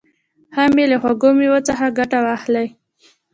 هم یې له خوږو مېوو څخه ګټه واخلي.